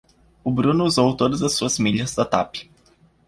O Bruno usou todas as suas milhas da Tap.